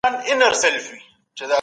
حکومتونه کله د فردي مالکیت حق ورکوي؟